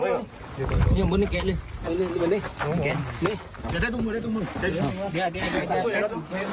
นี่อย่างบนนี้เกะเลยเอาอันนี้เอาอันนี้เกะนี่อย่าได้ตรงมือได้ตรงมือ